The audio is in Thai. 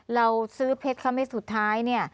เราซื้อเพชรซะเด็ดสุดท้ายเนี่ย